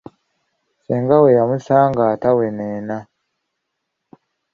Ssenga we yamusanga ataweneena!